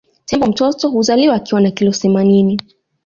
Tembo mtoto huzaliwa akiwa na kilo themaninini